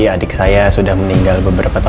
saya punya adik yang tinggal di jakarta